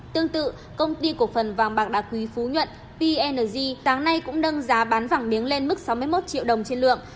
tương tự công ty cổ phần vàng bạc đá quý phú nhuận png nay cũng nâng giá bán vàng miếng lên mức sáu mươi một triệu đồng trên lượng